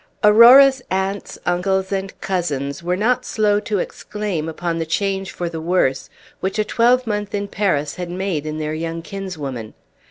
Aurora's aunts, uncles, and cousins were not slow to exclaim upon the change for the worse which a twelvemonth in Paris had made in their young kinswoman.